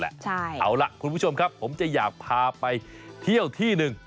เอาล่ะคุณผู้ชมครับผมจะอยากพาไปเที่ยวที่หนึ่ง